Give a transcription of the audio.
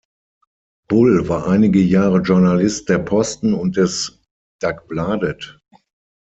Bull war einige Jahre Journalist der Posten und des Dagbladet.